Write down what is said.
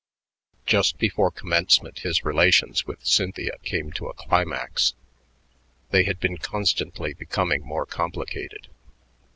Just before commencement his relations with Cynthia came to a climax. They had been constantly becoming more complicated.